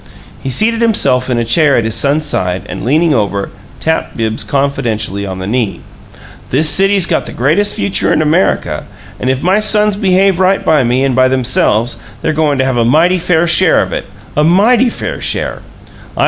He seated himself in a chair at his son's side and, leaning over, tapped Bibbs confidentially on the knee. "This city's got the greatest future in America, and if my sons behave right by me and by themselves they're goin' to have a mighty fair share of it a mighty fair share.